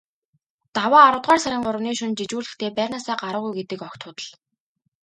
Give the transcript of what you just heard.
Даваа аравдугаар сарын гуравны шөнө жижүүрлэхдээ байрнаасаа гараагүй гэдэг огт худал.